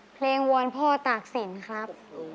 เพลงวอนพ่อตากสินครับ